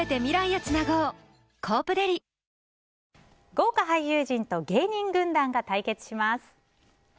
豪華俳優陣と芸人軍団が対決します。